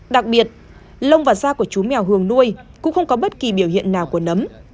đặc biệt lông và da của chú mèo hường nuôi cũng không có bất kỳ biểu hiện nào của nấm